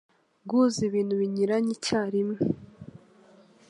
Guhuza ibintu binyuranye icyarimwe